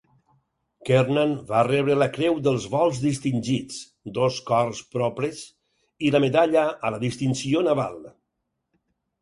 Kernan va rebre la Creu dels Vols Distingits, dos Cors Propres i la Medalla a la Distinció Naval.